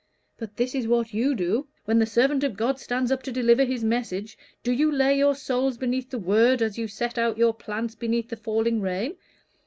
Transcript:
But this is what you do: when the servant of God stands up to deliver his message, do you lay your souls beneath the Word as you set out your plants beneath the falling rain?